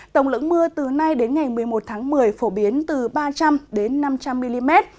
tổng lượng mưa từ nay đến ngày một mươi một tháng một mươi phổ biến từ ba trăm linh đến năm trăm linh mm